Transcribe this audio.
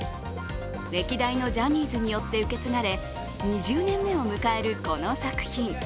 歴代のジャニーズによって受け継がれ、２０年目を迎えるこの作品。